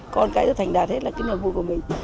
con cái nó thành đạt hết là cái niềm vui của mình